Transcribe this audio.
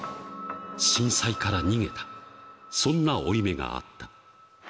震災から逃げた、そんな負い目があった。